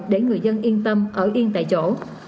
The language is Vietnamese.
để người dân yên tâm ở yên tại chỗ